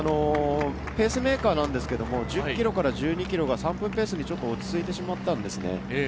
ペースメーカーなんですけど、１０ｋｍから１２ｋｍが３分ペースで落ち着いてしまったんですね。